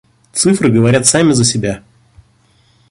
Цифры говорят сами за себя.